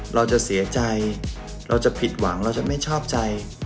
เราจะเสียใจเราจะผิดหวังเราจะไม่ชอบใจ